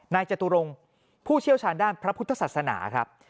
จตุรงค์ผู้เชี่ยวชาญด้านพระพุทธศาสนาครับ